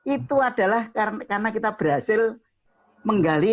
itu adalah karena kita berhasil menggali